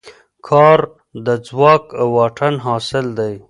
کار د ځواک او واټن حاصل دی.